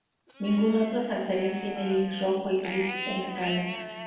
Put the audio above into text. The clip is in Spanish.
Ningún otro saltarín tiene iris rojo y gris en la cabeza.